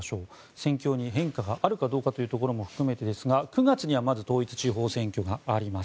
戦況に変化があるかどうかというところも含めてですが９月にはまず統一地方選挙があります。